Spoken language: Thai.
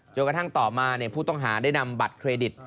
จนกระทั่งต่อมาผู้ต้องหาได้นำบัตรเครดิต